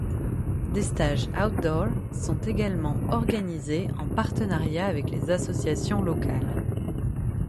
Des stages outdoor sont également organisés en partenariat avec les associations locales.